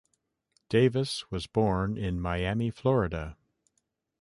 Davis was born in Miami, Florida.